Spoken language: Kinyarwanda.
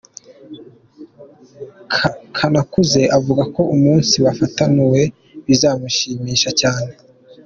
Kanakuze avuga ko umunsi bafatanuwe bizamushimisha cyane.